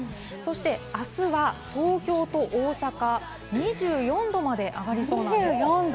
そして明日は東京と大阪、２４度まで上がりそうなんです。